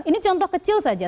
ini contoh kecil saja